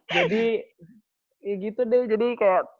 jadi ya gitu deh jadi kayak